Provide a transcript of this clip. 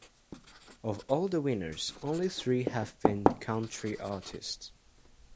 Of all the winners, only three have been country artists.